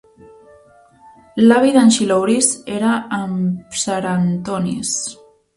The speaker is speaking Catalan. L'avi d'en Xilouris era en Psarantonis.